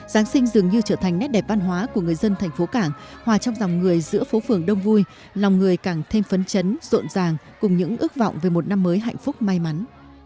giáng sinh dường như trở thành nét đẹp văn hóa của người dân thành phố cảng hòa trong dòng người giữa phố phường đông vui lòng người càng thêm phấn chấn rộn ràng cùng những ước vọng về một năm mới hạnh phúc may mắn